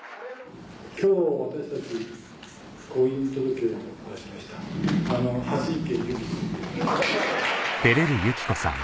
今日私たち婚姻届を出しました。